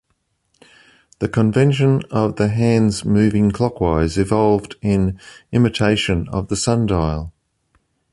The convention of the hands moving clockwise evolved in imitation of the sundial.